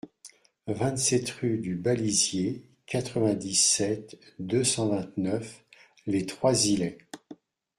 vingt-sept rue du Balisier, quatre-vingt-dix-sept, deux cent vingt-neuf, Les Trois-Îlets